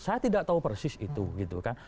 saya tidak tahu persis itu